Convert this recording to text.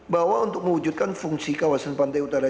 bahwa untuk mewujudkan fungsi kawasan pantai utara